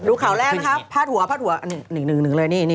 รูปข่าวแรกนะฮะพาดหัวนึกเลยนี่